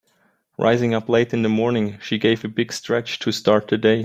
Rising up late in the morning she gave a big stretch to start the day.